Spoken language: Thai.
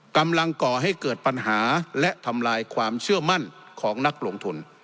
ก่อให้เกิดปัญหาและทำลายความเชื่อมั่นของนักลงทุน